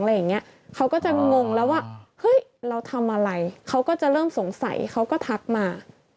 เขาก็จะงงแล้วว่าเฮ้ยเราทำอะไรเขาก็จะเริ่มสงสัยเขาก็ทักมา